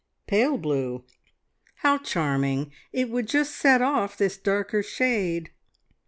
"Pale blue." "How charming! It would just set off this darker shade."